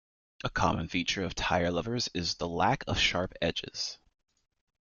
A common feature of tire levers is the lack of sharp edges.